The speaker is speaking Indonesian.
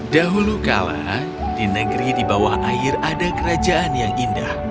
dahulu kala di negeri di bawah air ada kerajaan yang indah